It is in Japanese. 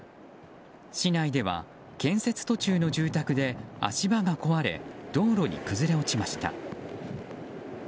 市内では建設途中の住宅で足場が壊れ道路に崩れ落ちました。